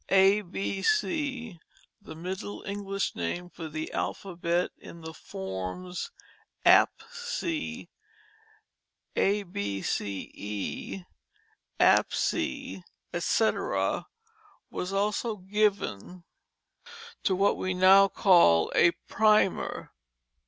A, B, C, the Middle English name for the alphabet in the forms apsey, abce, absie, etc., was also given to what we now call a primer.